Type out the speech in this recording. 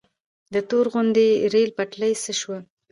د تورغونډۍ ریل پټلۍ څه شوه؟